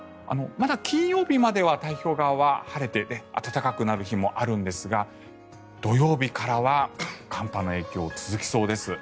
まだ金曜日までは太平洋側は晴れて暖かくなる日もあるんですが土曜日からは寒波の影響、続きそうです。